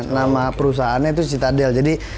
nama perusahaannya itu citadel